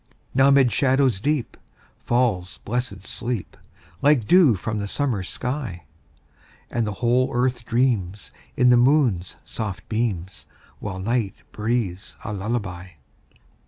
Now 'mid shadows deep Falls blessed sleep, Like dew from the summer sky; And the whole earth dreams, In the moon's soft beams, While night breathes a lullaby.